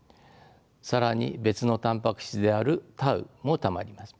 更に別のたんぱく質であるタウもたまります。